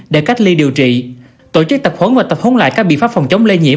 để cách ly điều trị tổ chức tập huấn và tập huấn lại các biện pháp phòng chống lây nhiễm